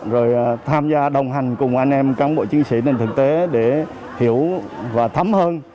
rồi tham gia đồng hành cùng anh em cán bộ chiến sĩ lên thực tế để hiểu và thấm hơn